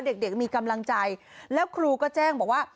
เด็กมีกำลังใจแล้วครูก็แจ้งบอกว่า